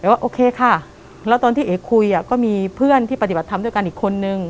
ว่าโอเคค่ะแล้วตอนที่เอ๋คุยก็มีเพื่อนที่ปฏิบัติธรรมด้วยกันอีกคนนึง